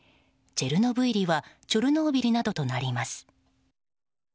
チェルノブイリはチョルノービリなどとなります。